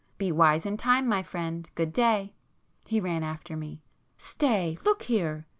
Be wise in time, my friend!—good day!" He ran after me. "Stay,—look here!